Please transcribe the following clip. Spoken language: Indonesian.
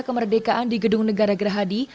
kami memperkenalkan kemerdekaan di gedung negara gerhadi